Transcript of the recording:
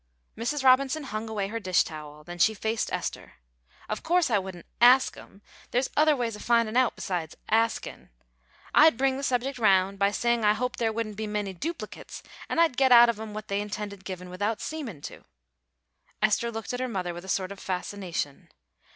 Mrs. Robinson hung away her dishtowel; then she faced Esther. "Of course I wouldn't ask 'em; there's other ways of findin' out besides asking. I'd bring the subject round by saying I hoped there wouldn't be many duplicates, and I'd git out of 'em what they intended givin' without seemin' to." Esther looked at her mother with a sort of fascination.